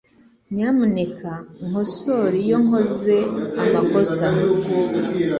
Nyamuneka nkosore iyo nkoze amakosa.